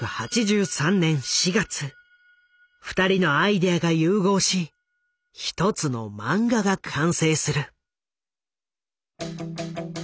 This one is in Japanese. ２人のアイデアが融合し一つの漫画が完成する。